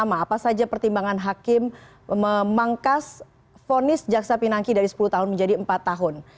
apa saja pertimbangan hakim memangkas vonis jaksa pinangki dari sepuluh tahun menjadi empat tahun